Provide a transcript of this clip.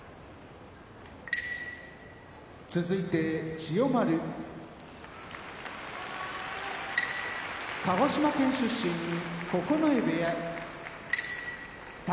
千代丸鹿児島県出身九重部屋宝